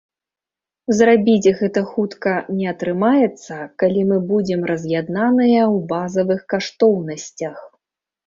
Зрабіць гэта хутка не атрымаецца, калі мы будзем раз'яднаныя ў базавых каштоўнасцях.